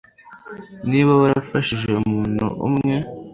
niba warafashije umuntu umwe